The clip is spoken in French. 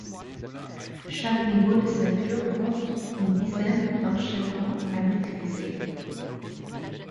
Chaque niveau de ceintures comptent une dizaine d'enchaînements à maîtriser.